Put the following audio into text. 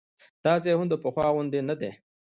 دا ځای هم د پخوا غوندې نه دی.